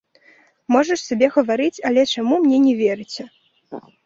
Можаш сабе гаварыць, але чаму мне не верыце!